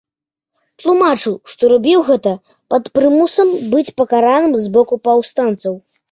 Тлумачыў, што рабіў гэта пад прымусам быць пакараным з боку паўстанцаў.